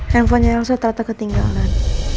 handphonenya elsa ternyata ketinggalan